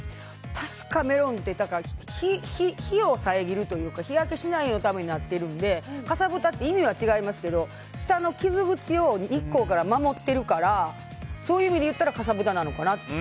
確か、メロンって日を遮るというか日焼けしないためになっているのでかさぶたって意味は違いますけど下の傷口を日光から守っているからそういう意味で言ったらかさぶたなのかなって。